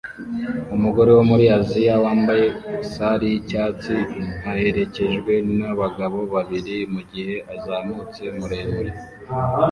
Umugore wo muri Aziya wambaye sari yicyatsi aherekejwe nabagabo babiri mugihe azamutse muremure